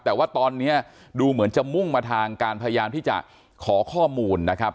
แต่ว่าตอนนี้ดูเหมือนจะมุ่งมาทางการพยายามที่จะขอข้อมูลนะครับ